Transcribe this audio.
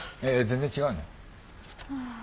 えっ全然違うの？